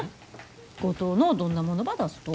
五島のどんなものば出すと？